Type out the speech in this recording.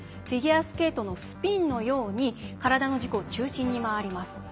フィギュアスケートのスピンのように体の軸を中心に回ります。